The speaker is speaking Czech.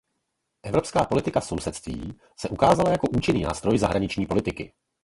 Evropská politika sousedství se ukázala jako účinný nástroj zahraniční politiky.